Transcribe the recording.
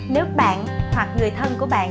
nếu bạn hoặc người thân của bạn